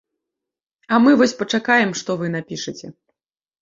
А мы вось пачакаем, што вы напішаце.